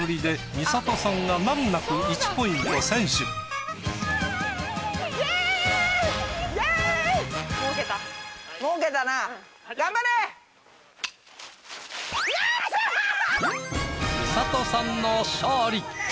美里さんの勝利！